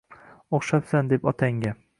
O’xshabsan, deb otangga.